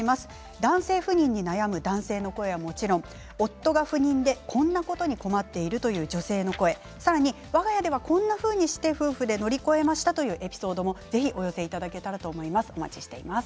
男性不妊に悩む男性の声はもちろん、夫が不妊でこんなことに困っているという女性の声さらにわが家ではこんなふうにして夫婦で乗り越えましたというエピソードも、ぜひお寄せいただけたらと思います。